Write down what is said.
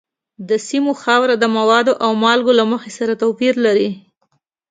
د سیمو خاوره د موادو او مالګو له مخې سره توپیر لري.